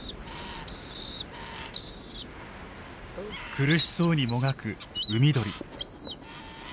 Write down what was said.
苦しそうにもがく海鳥。